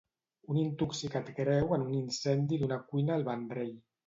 Un intoxicat greu en un incendi d'una cuina al Vendrell.